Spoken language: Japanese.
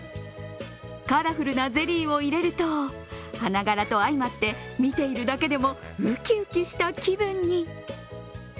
カラフルなゼリーを入れると、花柄と相まって見ているだけでもウキウキした気分に。